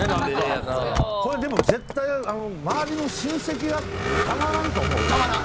これでも絶対周りの親戚がたまらんと思うよ。